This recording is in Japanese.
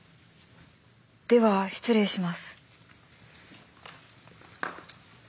では失礼します。